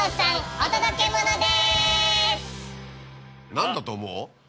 何だと思う？